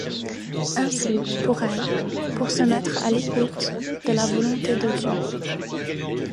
Ainsi, pour elle, pour se mettre à l'écoute de la volonté de Dieu.